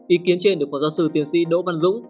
ý kiến trên được phó giáo sư tiến sĩ đỗ văn dũng